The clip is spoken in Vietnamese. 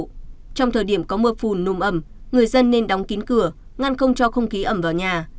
trong thời điểm có mưa phùn nồm ẩm người dân nên đóng kín cửa ngăn không cho không khí ẩm vào nhà